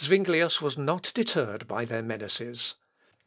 Zuinglius was not deterred by their menaces.